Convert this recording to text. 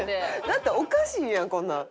だっておかしいやんこんなん。